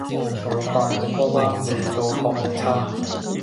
牛肉飯，頂呱呱，味道確唔差